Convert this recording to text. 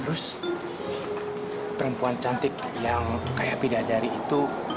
terus perempuan cantik yang kayak pindah dari itu